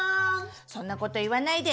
そんなこと言わないで！